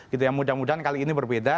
gitu ya mudah mudahan kali ini berbeda